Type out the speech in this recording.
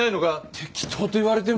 適当と言われても。